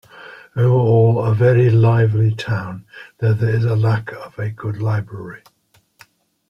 Overall a very lively town, though there is a lack of a good library.